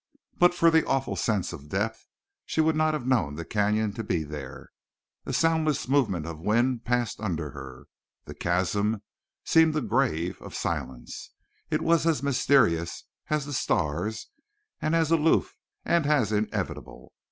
But for the awful sense of depth she would not have known the Canyon to be there. A soundless movement of wind passed under her. The chasm seemed a grave of silence. It was as mysterious as the stars and as aloof and as inevitable.